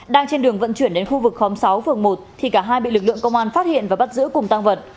đang trên đường vận chuyển đến khu vực khóm sáu phường một thì cả hai bị lực lượng công an phát hiện và bắt giữ cùng tăng vật